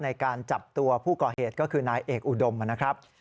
ในการจับตัวผู้ก่อเหตุก็คือนายเอกอุดมนะครับ